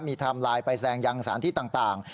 มีไทม์ไลน์ไปแสดงยังสารที่ต่าง